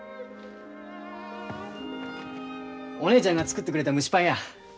お姉ちゃんが作ってくれた蒸しパンや。